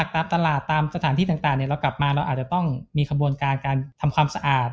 ตามตลาดตามสถานที่ต่างเรากลับมาเราอาจจะต้องมีขบวนการการทำความสะอาด